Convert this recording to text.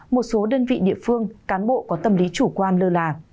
một số đơn vị địa phương cán bộ có tâm lý chủ quan lơ là